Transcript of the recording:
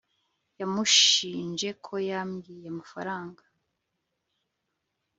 yamushinje ko yamwibye amafaranga